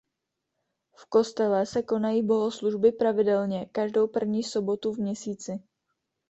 V kostele se konají bohoslužby pravidelně každou první sobotu v měsíci.